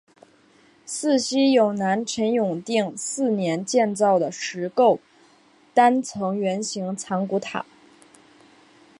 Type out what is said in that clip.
寺西有南陈永定四年建造的石构单层圆形藏骨塔。